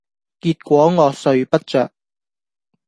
結果我睡不著